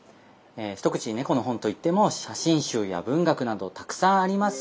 一口に猫の本といっても写真集や文学などたくさんあります。